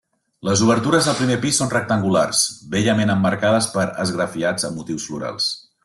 Les obertures del primer pis són rectangulars, bellament emmarcades per esgrafiats amb motius florals.